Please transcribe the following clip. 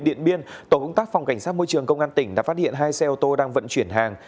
điện biên tổ công tác phòng cảnh sát môi trường công an tỉnh đã phát hiện hai xe ô tô đang vận chuyển hàng